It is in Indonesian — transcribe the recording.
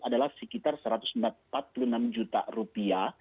adalah sekitar satu ratus empat puluh enam juta rupiah